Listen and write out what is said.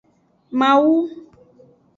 Mawu.